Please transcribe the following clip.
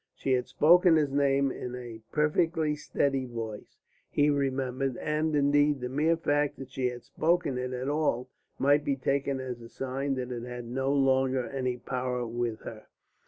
She had spoken his name in a perfectly steady voice, he remembered; and, indeed, the mere fact that she had spoken it at all might be taken as a sign that it had no longer any power with her.